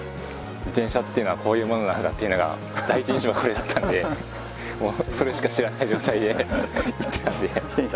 自転車っていうのはこういうものなんだっていうのが第一印象がこれだったんでもうそれしか知らない状態でやってたんで。